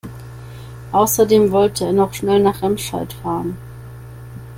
Außerdem wollte er noch schnell nach Remscheid fahren